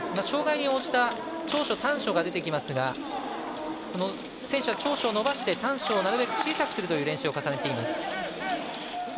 障がいに応じた長所、短所が出てきますがその選手は長所を伸ばして短所をなるべく小さくするという練習を重ねています。